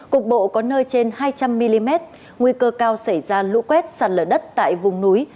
cục bộ có nơi trên hai trăm linh mm nguy cơ cao xảy ra lũ quét sạt lở đất tại vùng núi